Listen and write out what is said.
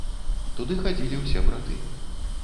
Туды хадзілі ўсе браты.